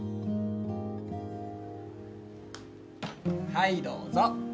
はいどうぞ！